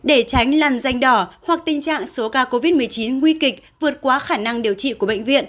để tránh lằn danh đỏ hoặc tình trạng số ca covid một mươi chín nguy kịch vượt quá khả năng điều trị của bệnh viện